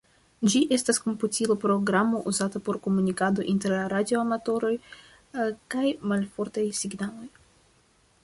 Ĝi estas komputila programo uzata por komunikado inter radio-amatoroj kun malfortaj signaloj.